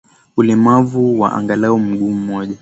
Ulemavu wa angalau mguu mmoja